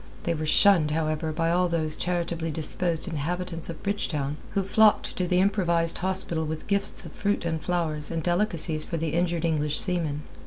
They were shunned, however, by all those charitably disposed inhabitants of Bridgetown who flocked to the improvised hospital with gifts of fruit and flowers and delicacies for the injured English seamen.